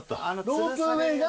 ロープウェイが。